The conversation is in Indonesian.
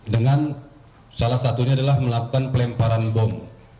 dengan salah satunya adalah melakukan pelemparan bom